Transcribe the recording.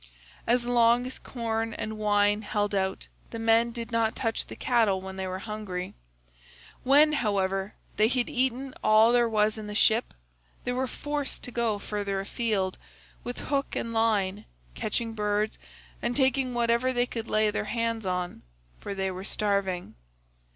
105 As long as corn and wine held out the men did not touch the cattle when they were hungry; when, however, they had eaten all there was in the ship, they were forced to go further afield, with hook and line, catching birds, and taking whatever they could lay their hands on; for they were starving.